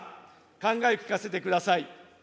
考えを聞かせてください。